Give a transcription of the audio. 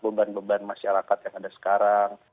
beban beban masyarakat yang ada sekarang